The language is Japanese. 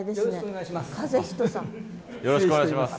よろしくお願いします。